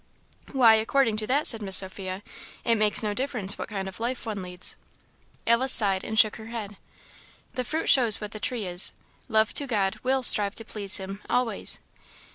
"Why, according to that," said Miss Sophia. "it makes no difference what kind of life one leads." Alice sighed, and shook her head. "The fruit shows what the tree is. Love to God will strive to please him always."